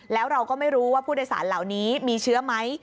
แล้วเราก็ไม่รู้ว่าผู้โดยสารเหล่านี้มีเชื้อไหม